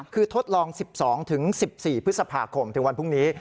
คือทดลอง๑๒๑๔พฤษภาคมถึงวันพรุ่งนี้